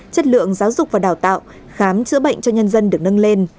chất lượng giáo dục và đào tạo khám chữa bệnh cho nhân dân được nâng lên